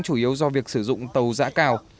chủ yếu do việc sử dụng tàu dã cao